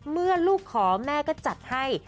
เมื่อลูกขอแม่ก็จัดให้